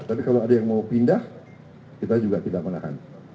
tapi kalau ada yang mau pindah kita juga tidak menahan